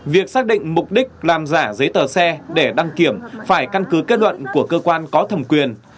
việc xác định mục đích làm giả giấy tờ xe để đăng kiểm phải căn cứ kết luận của cơ quan có thẩm quyền